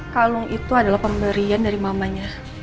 kalung itu adalah pemberian dari mamanya